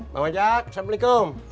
bang wajad assalamualaikum